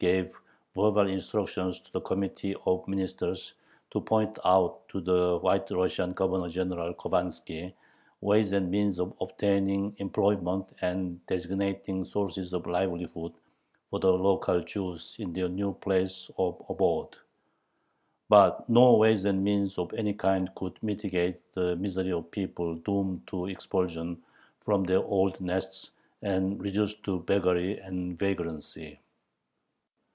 gave verbal instructions to the Committee of Ministers, to point out to the White Russian Governor General Khovanski "ways and means of obtaining employment and designating sources of livelihood for the local Jews in their new places of abode." But no "ways and means" of any kind could mitigate the misery of people doomed to expulsion from their old nests and reduced to beggary and vagrancy.